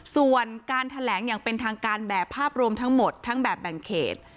ส่วนการแถลงอย่างเป็นทางการแบบภาพรวมทั้งหมดทั้งแบบแบ่งเขต